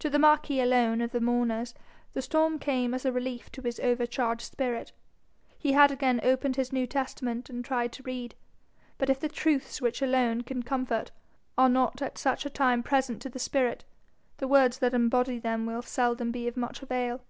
To the marquis alone of the mourners the storm came as a relief to his overcharged spirit. He had again opened his New Testament, and tried to read; but if the truths which alone can comfort are not at such a time present to the spirit, the words that embody them will seldom be of much avail.